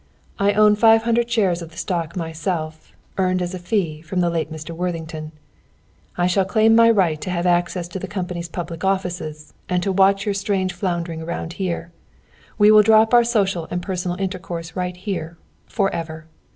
"I own five hundred shares of the stock myself, earned as a fee, from the late Mr. Worthington. "I shall claim my right to have access to the company's public offices, and to watch your strange floundering around here. We will drop our social and personal intercourse right here forever.